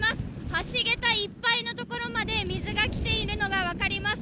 橋桁いっぱいのところまで水が来ているのが分かります。